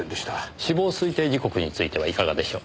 死亡推定時刻についてはいかがでしょう？